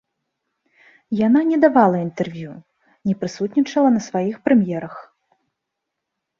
Яна не давала інтэрв'ю, не прысутнічала на сваіх прэм'ерах.